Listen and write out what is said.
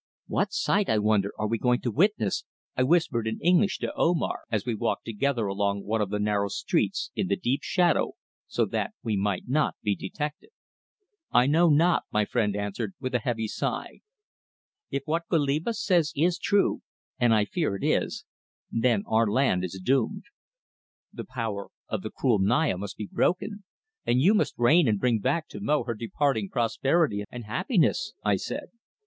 "What sight, I wonder, are we going to witness?" I whispered in English to Omar, as we walked together along one of the narrow streets in the deep shadow so that we might not be detected. "I know not," my friend answered, with a heavy sigh. "If what Goliba says is true, and I fear it is, then our land is doomed." "The power of the cruel Naya must be broken, and you must reign and bring back to Mo her departing prosperity and happiness," I said.